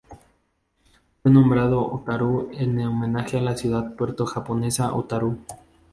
Fue nombrado Otaru en homenaje a la ciudad puerto japonesa Otaru.